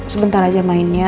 sebentar aja mainnya